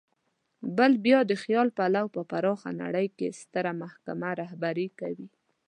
بل بیا د خیال پلو په پراخه نړۍ کې ستره محکمه رهبري کوي.